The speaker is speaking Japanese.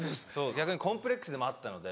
逆にコンプレックスでもあったので。